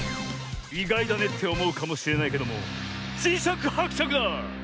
いがいだねっておもうかもしれないけどもじしゃくはくしゃくだ！